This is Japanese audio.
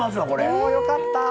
およかった。